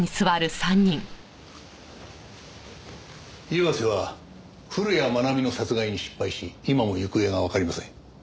岩瀬は古谷愛美の殺害に失敗し今も行方がわかりません。